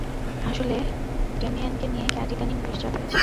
আসলে, ডেমিয়েনকে নিয়ে ক্যাট ইদানিং বেশ চাপে আছে।